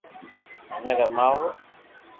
مني رماوُ